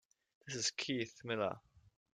This is Keith Miller.